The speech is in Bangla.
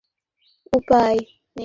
দাঁত বাগিয়ে হাতে কামড়ানোর উপায় নেই।